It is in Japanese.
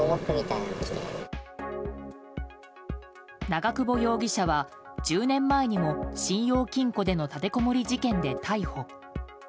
長久保容疑者は１０年前にも信用金庫での立てこもり事件で逮捕。